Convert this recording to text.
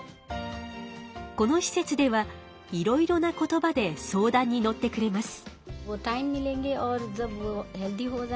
このし設ではいろいろな言葉で相談に乗ってくれます。